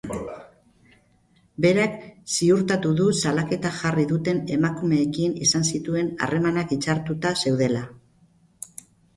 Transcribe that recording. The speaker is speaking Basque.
Berak ziurtatu du salaketa jarri duten emakumeekin izan zituen harremanak hitzartuta zeudela.